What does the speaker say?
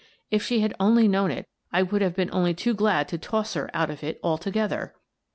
If she had only known it, I would have been only too glad to toss her out of it altogether!